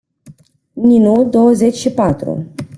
Ninu, douăzeci și patru.